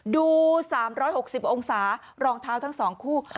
ดู๓๖๐องศารองเท้าทั้ง๒คู่